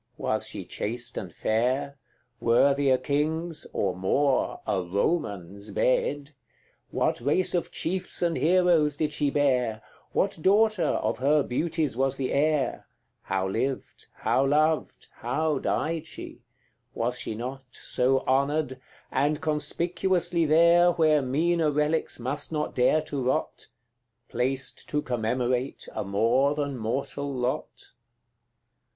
Was she chaste and fair? Worthy a king's or more a Roman's bed? What race of chiefs and heroes did she bear? What daughter of her beauties was the heir? How lived how loved how died she? Was she not So honoured and conspicuously there, Where meaner relics must not dare to rot, Placed to commemorate a more than mortal lot?